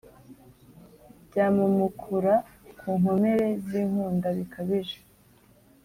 byamumukura ku nkomere zinkunda bikabije